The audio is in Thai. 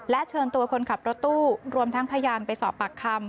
เชิญตัวคนขับรถตู้รวมทั้งพยานไปสอบปากคำ